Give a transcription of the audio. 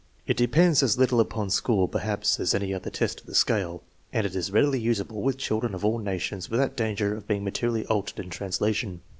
It depends as little upon school, perhaps, as any other test of the scale, and it is readily usable with children of all nations without danger of being materially altered in trans lation.